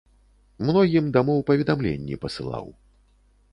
Многім дамоў паведамленні пасылаў.